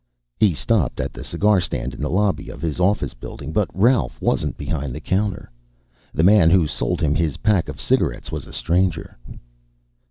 He stopped at the cigar stand in the lobby of his office building, but Ralph wasn't behind the counter. The man who sold him his pack of cigarettes was a stranger.